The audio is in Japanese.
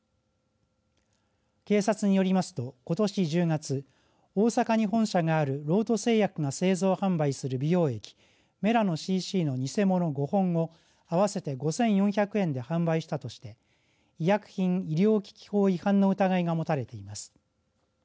警察によりますと、ことし１０月大阪に本社があるロート製薬が製造販売する美容液メラノＣＣの偽物５本を合わせて５４００円で販売したとして医薬品医療機器法違反の疑いがもたれています。